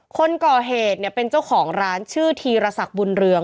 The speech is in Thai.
คนก่อเหตุเนี่ยเป็นเจ้าของร้านชื่อธีรศักดิ์บุญเรือง